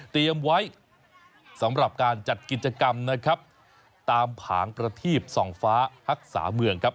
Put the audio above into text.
ไว้สำหรับการจัดกิจกรรมนะครับตามผางประทีบส่องฟ้าทักษาเมืองครับ